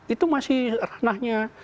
itu masih renahnya